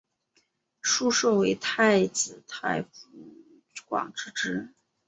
疏受为太子太傅疏广之侄。